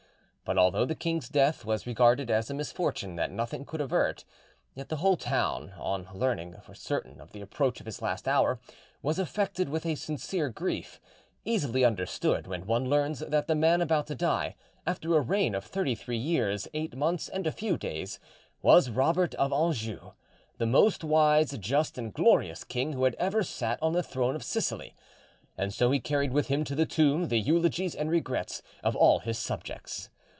But although the king's death was regarded as a misfortune that nothing could avert, yet the whole town, on learning for certain of the approach of his last hour, was affected with a sincere grief, easily understood when one learns that the man about to die, after a reign of thirty three years, eight months, and a few days, was Robert of Anjou, the most wise, just, and glorious king who had ever sat on the throne of Sicily. And so he carried with him to the tomb the eulogies and regrets of all his subjects.